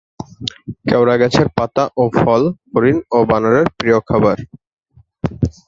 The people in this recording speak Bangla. কেওড়া গাছের পাতা ও ফল হরিণ ও বানরের প্রিয় খাবার।